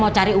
gak ada gitu